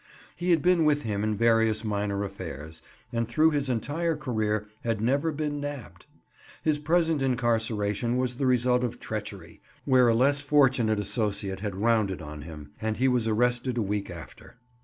He had been with him in various minor affairs, and through his entire career had never been "nabbed." His present incarceration was the result of treachery, where a less fortunate associate had rounded on him, and he was arrested a week after.